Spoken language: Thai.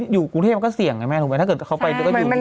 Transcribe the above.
อยู่กรุงเทพฯมันก็เสี่ยงนะแม่ถ้าเขาไปก็อยู่ที่นู่นนาน